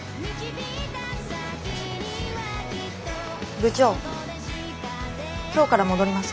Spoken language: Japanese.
部長今日から戻りました。